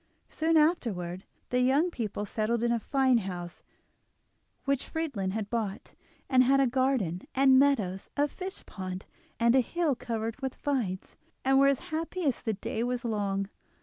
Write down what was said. Soon afterwards the young people settled in a fine house which Friedlin had bought, and had a garden and meadows, a fishpond, and a hill covered with vines, and were as happy as the day was long.